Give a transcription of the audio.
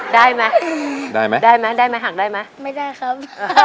ได้ไหมได้ไหมได้ไหมได้ไหมได้ไหมหักได้ไหมไม่ได้ครับ